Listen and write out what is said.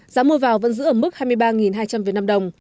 giá mua vào vẫn giữ ở mức hai mươi ba hai trăm linh việt nam đồng